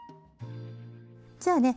じゃあね